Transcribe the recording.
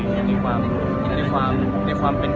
แล้วเราให้กำมันใจเขาอย่างในร่างใจนะ